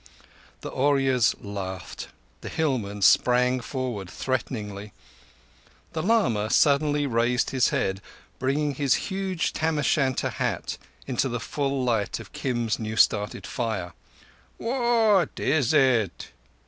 The Ooryas laughed; the hillman sprang forward threateningly. The lama suddenly raised his head, bringing his huge tam o' shanter hat into the full light of Kim's new started fire. "What is it?"